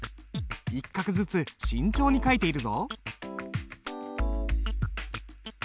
一画ずつ慎重に書いているぞ。